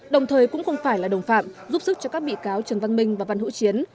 đồng thời cũng không phải là đồng phạm giúp sức cho các bị cáo trần văn minh và văn hữu chiến